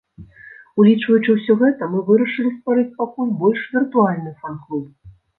Улічваючы ўсё гэта, мы вырашылі стварыць пакуль больш віртуальны фан-клуб.